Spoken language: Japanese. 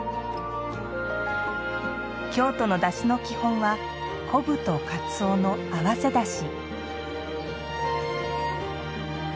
京都のだしの基本は昆布とかつおの合わせだし。